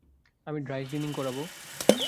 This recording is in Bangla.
আমি ড্রাই ক্লিনিং করাবো।